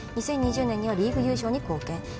２０２０年にはリーグ優勝に貢献